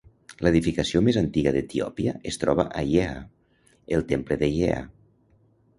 L'edificació més antiga d'Etiòpia es troba a Yeha: el temple de Yeha.